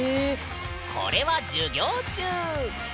これは授業中。